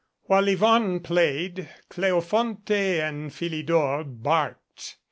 While Yvonne played, Cleofonte and Philidor "barked."